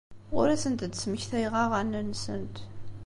Ur asent-d-smektayeɣ aɣanen-nsent.